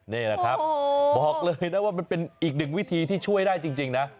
นี่แหละครับบอกเลยนะว่ามันเป็นอีกหนึ่งวิธีที่ช่วยได้จริงนะ